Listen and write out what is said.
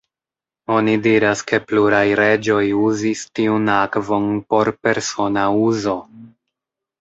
Oni diras ke pluraj reĝoj uzis tiun akvon por persona uzo.